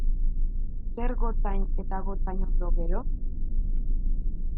Zer gotzain eta gotzainondo, gero?